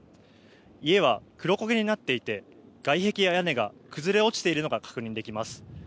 家は黒焦げになっていて外壁や屋根が崩れ落ちているのが確認できます。